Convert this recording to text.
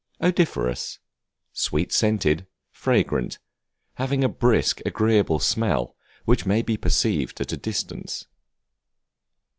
Odoriferous, sweet scented, fragrant; having a brisk, agreeable smell which may be perceived at a distance.